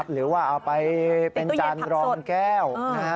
หรือว่าเอาไปเป็นจานรองแก้ว